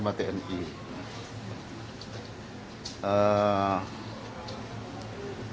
memerlukan kekuasaan panglima tni